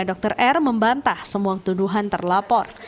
dokter r membantah semua tuduhan terlapor